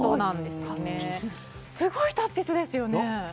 すごい達筆ですよね。